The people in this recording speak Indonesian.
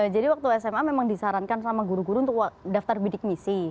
jadi waktu sma memang disarankan sama guru guru untuk daftar bidik misi